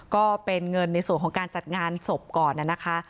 ก็เป็นเงินในส่วนของการจัดงานศพก่อนนะคะ